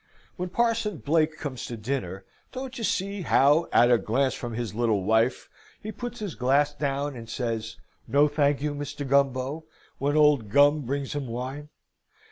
When Parson Blake comes to dinner, don't you see how at a glance from his little wife he puts his glass down and says, "No, thank you, Mr. Gumbo," when old Gum brings him wine?